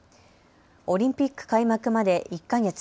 オリンピック開幕まで１か月。